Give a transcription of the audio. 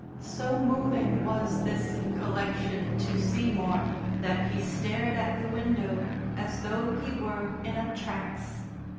So moving was this collection to Seymour that he stared at the window as though he were in a trance.